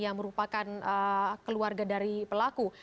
yang merupakan keluarga dari pelaku